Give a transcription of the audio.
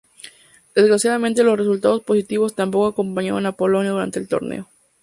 Desgraciadamente los resultados positivos tampoco acompañaron a Polonia durante el torneo.